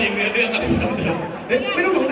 เสียงปลดมือจังกัน